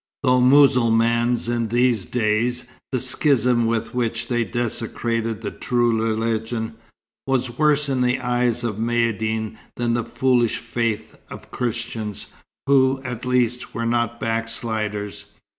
Though Mussulmans in these days, the schisms with which they desecrated the true religion were worse in the eyes of Maïeddine than the foolish faith of Christians, who, at least, were not backsliders.